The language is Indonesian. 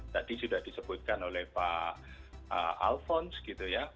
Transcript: tadi sudah disebutkan oleh pak alphonse gitu ya